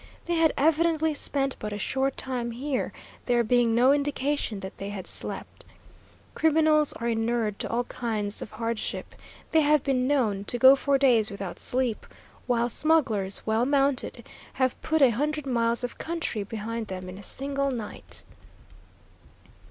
They had evidently spent but a short time here, there being no indication that they had slept. Criminals are inured to all kinds of hardship. They have been known to go for days without sleep, while smugglers, well mounted, have put a hundred miles of country behind them in a single night.